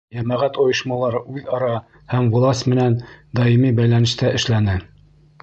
Йәмәғәт ойошмалары үҙ-ара һәм власть менән даими бәйләнештә эшләне.